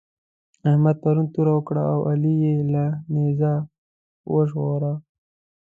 احمد پرون توره وکړه او علي يې له نېزه وژغوره.